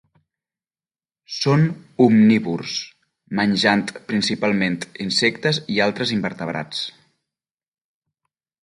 Són omnívors, menjant principalment insectes i altres invertebrats.